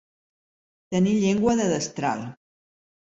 Tenir llengua de destral.